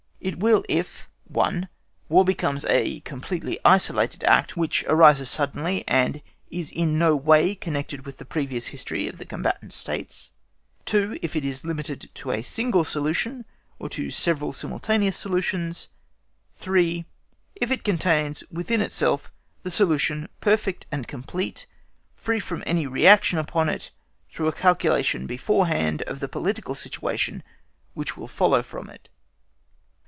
It will if, (1) War becomes a completely isolated act, which arises suddenly, and is in no way connected with the previous history of the combatant States. (2) If it is limited to a single solution, or to several simultaneous solutions. (3) If it contains within itself the solution perfect and complete, free from any reaction upon it, through a calculation beforehand of the political situation which will follow from it.